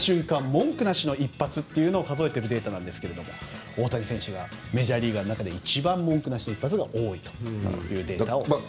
文句なしの一発を数えているデータなんですけど大谷選手がメジャーリーガーの中で一番文句なしの一発が多いというデータです。